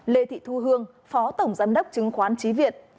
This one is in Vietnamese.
lê thị thu hương phó tổng giám đốc chứng khoán trí việt